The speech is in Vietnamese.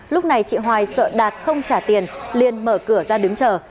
lúc này chị hoài sợ đạt không trả tiền liên mở cửa ra đứng chờ